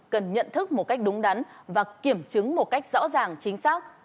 cần nhận thức một cách đúng đắn và kiểm chứng một cách rõ ràng chính xác